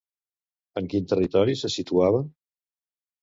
En quin territori se situava?